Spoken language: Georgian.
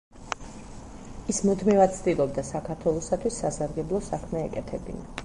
ის მუდმივად ცდილობდა, საქართველოსათვის სასარგებლო საქმე ეკეთებინა.